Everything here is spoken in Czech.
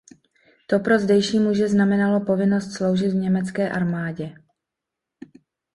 To pro zdejší muže znamenalo povinnost sloužit v německé armádě.